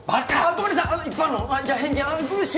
ごめんなさい！